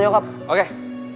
saya sudah berada di rumah